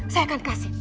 saya akan kasih